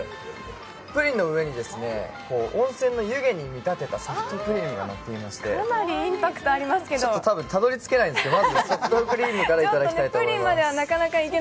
プリンの上に温泉の湯気に見立てたソフトクリームがのっていまして、多分たどり着けないですけど、まず、ソフトクリームからいただきたいと思います。